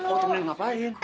oh temenin ngapain